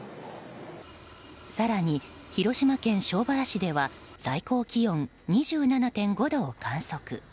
更に広島県庄原市では最高気温２７．５度を観測。